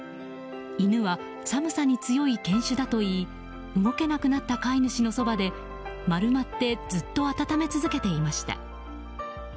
犬は寒さに強い犬種だといい動けなくなった飼い主のそばで丸まってずっと温め続けていました。